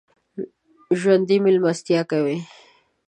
ژوندي مېلمستیا کوي